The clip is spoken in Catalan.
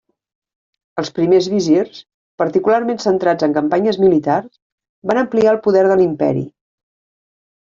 Els primers visirs particularment centrats en campanyes militars, van ampliar el poder de l'imperi.